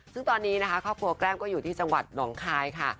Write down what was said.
ซึ่งตอนนี้นะคะครอบครัวแก้มก็อยู่ที่จังหวัดหนองคายค่ะ